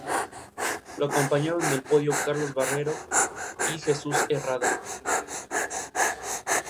En los Knicks juega temporada y media antes de ser cortado.